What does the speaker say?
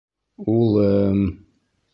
— Улы-ы-ым...